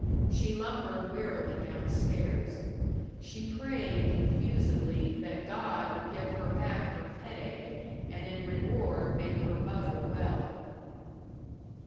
She lumbered wearily down stairs. She prayed confusedly that God would give her back her headache and in reward make her mother well.